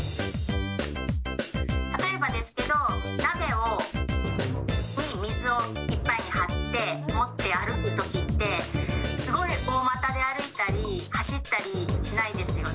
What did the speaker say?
例えばですけど、鍋に水をいっぱい張って、持って歩くときって、すごい大股で歩いたり、走ったりしないですよね。